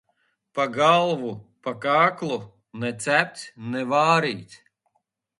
Pa galvu, pa kaklu; ne cepts, ne vārīts.